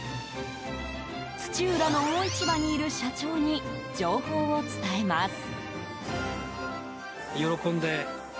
土浦の魚市場にいる社長に情報を伝えます。